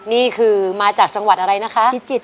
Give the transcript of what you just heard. นี่คือมาจากจังหวัดอะไรนะคะ